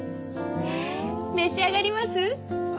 召し上がります？